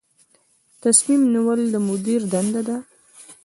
تصمیم نیول د مدیر دنده ده